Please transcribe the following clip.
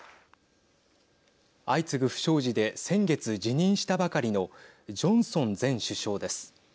相次ぐ不祥事で先月辞任したばかりのジョンソン前首相です。